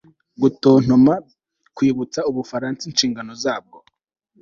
gutontoma kwibutsa ubufaransa inshingano zabwo